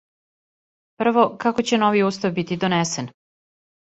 Прво, како ће нови устав бити донесен?